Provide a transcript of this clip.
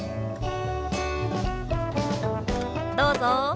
どうぞ。